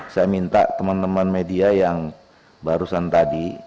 saya minta teman teman media yang barusan tadi